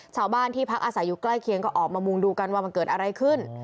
ชาวบ้านที่พักอาศัยอยู่ใกล้เคียงก็ออกมามุงดูกันว่ามันเกิดอะไรขึ้น